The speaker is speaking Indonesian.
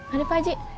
aduh pak aji